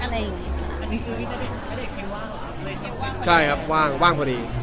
อันนี้นาเตฤทร์ดูแลดูว่างหรอครับ